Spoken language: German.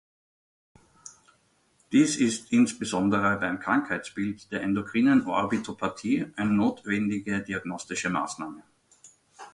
Dies ist insbesondere beim Krankheitsbild der endokrinen Orbitopathie eine notwendige diagnostische Maßnahme.